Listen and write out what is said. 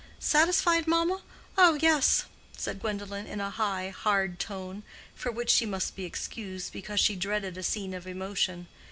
"Satisfied, mamma? oh, yes," said Gwendolen, in a high, hard tone, for which she must be excused, because she dreaded a scene of emotion.